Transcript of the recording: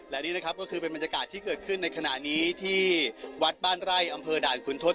และนี่นะครับก็คือเป็นบรรยากาศที่เกิดขึ้นในขณะนี้ที่วัดบ้านไร่อำเภอด่านขุนทศ